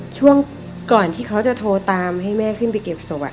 ช่วงก่อนที่เขาจะโทรตามให้แม่ขึ้นไปเก็บศพ